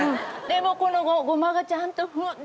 でもこのごまがちゃんとフッ！